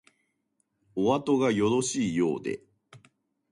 おあとがよろしいようで